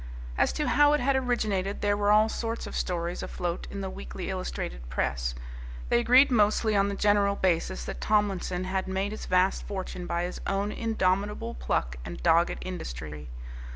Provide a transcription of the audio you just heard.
As to how it had originated, there were all sorts of stories afloat in the weekly illustrated press. They agreed mostly on the general basis that Tomlinson had made his vast fortune by his own indomitable pluck and dogged industry.